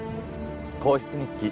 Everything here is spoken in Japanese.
『皇室日記』